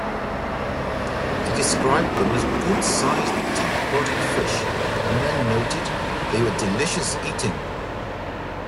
He described them as "good-sized, deep-bodied fish," and noted, "They were delicious eating.